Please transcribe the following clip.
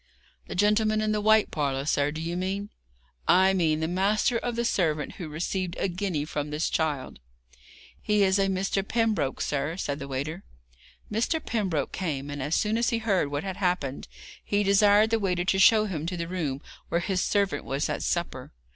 'The gentleman in the white parlour, sir, do you mean?' 'I mean the master of the servant who received a guinea from this child.' 'He is a Mr. Pembroke, sir,' said the waiter. Mr. Pembroke came, and as soon as he heard what had happened he desired the waiter to show him to the room where his servant was at supper.